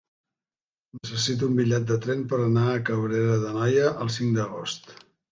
Necessito un bitllet de tren per anar a Cabrera d'Anoia el cinc d'agost.